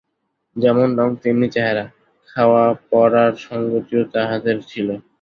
যেমন রঙ তেমনি চেহারা–খাওয়াপরার সংগতিও তাহাদের ছিল।